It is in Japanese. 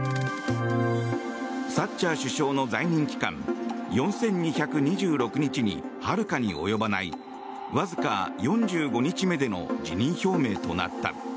サッチャー首相の在任期間４２２６日にはるかに及ばないわずか４５日目での辞任表明となった。